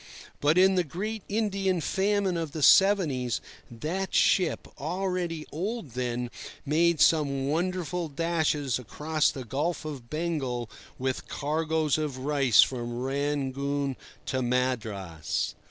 But in the great Indian famine of the seventies that ship, already old then, made some wonderful dashes across the Gulf of Bengal with cargoes of rice from Rangoon to Madras.